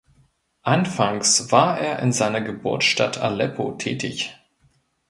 Anfangs war er in seiner Geburtsstadt Aleppo tätig.